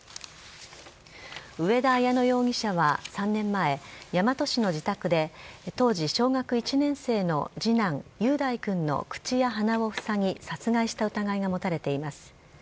上田綾乃容疑者は、３年前大和市の自宅で当時小学１年生の次男雄大君の口や鼻をふさぎ殺害した疑いが持たれています。